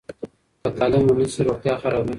که تعلیم ونه سي، روغتیا خرابېږي.